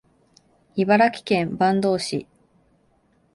茨城県坂東市